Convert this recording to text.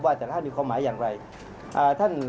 ขอบคุณพี่ด้วยนะครับ